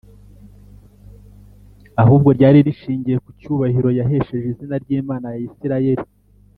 ahubwo ryari rishingiye ku cyubahiro yahesheje izina ry’imana ya isirayeli